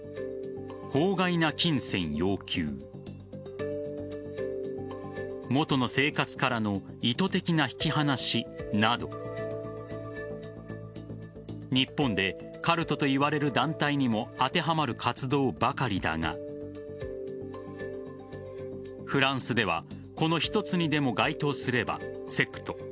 法外な金銭要求元の生活からの意図的な引き離しなど日本でカルトといわれる団体にも当てはまる活動ばかりだがフランスではこの一つにでも該当すればセクト。